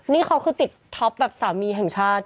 นี่เขาคือติดท็อปแบบสามีแห่งชาติ